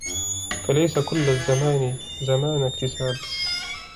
فَلَيْسَ كُلُّ الزَّمَانِ زَمَانَ اكْتِسَابٍ